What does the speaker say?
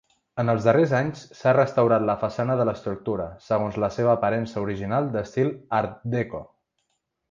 En el darrers anys, s'ha restaurant la façana de l'estructura, segons la seva aparença original d'estil art-déco.